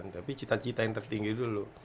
tapi cita cita yang tertinggi dulu